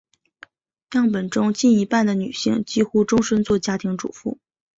样本中近一半的女性几乎终生做家庭主妇。